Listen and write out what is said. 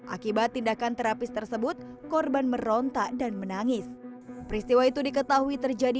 akibat tindakan terapis tersebut korban merontak dan menangis peristiwa itu diketahui terjadi